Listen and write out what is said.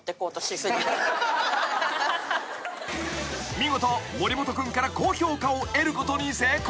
［見事森本君から高評価を得ることに成功］